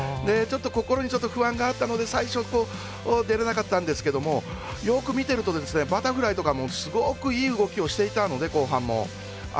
心にちょっと不安があったので最初、出れなかったんですけどもよく見てるとバタフライとかもすごくいい動きをしていたので後半も。